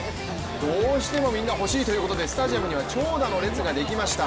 どうしてもみんな欲しいということでスタジアムには長蛇の列ができました。